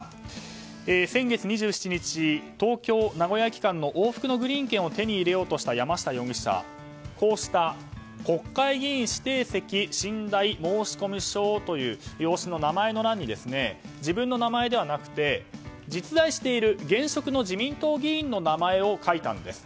だまし取った手口なんですが先月２７日、東京名古屋駅間の往復のグリーン券を手に入れようとした山下容疑者は国会議員指定席・寝台申込書という用紙の名前の欄に自分の名前ではなくて実在している現職の自民党議員の名前を書いたんです。